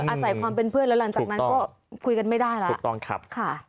อาศัยความเป็นเพื่อนแล้วหลังจากนั้นก็คุยกันไม่ได้แล้ว